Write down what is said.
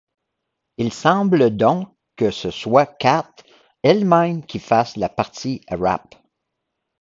Il semble donc que ce soit Kat elle-même qui fasse la partie rap.